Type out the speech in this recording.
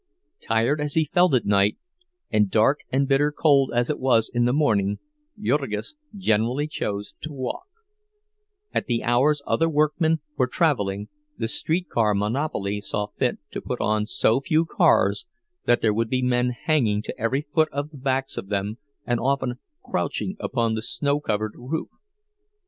Tired as he felt at night, and dark and bitter cold as it was in the morning, Jurgis generally chose to walk; at the hours other workmen were traveling, the streetcar monopoly saw fit to put on so few cars that there would be men hanging to every foot of the backs of them and often crouching upon the snow covered roof.